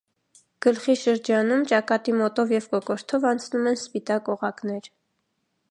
Գլխի շրջանում, ճակատի մոտով և կոկորդով անցնում են սպիտակ օղակներ։